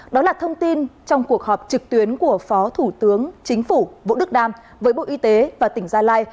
đó là thông tin trong cuộc họp trực tuyến của phó thủ tướng chính phủ vũ đức đam với bộ y tế và tỉnh gia lai